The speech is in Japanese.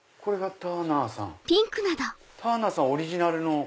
ターナーさんはオリジナルの？